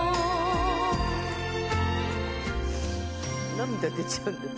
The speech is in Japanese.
涙出ちゃうんだ、私。